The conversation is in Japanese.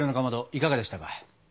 いかがでしたか？